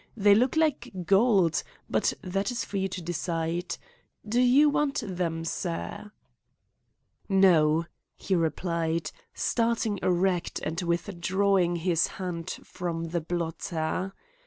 They look like gold; but that is for you to decide. Do you want them, sir?" "No," he replied, starting erect and withdrawing his hand from the blotter.